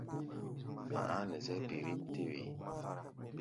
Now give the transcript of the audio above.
A̧ a̧á̧ nɛ zɛ́ɛ́ pirím-tɛ́-wee.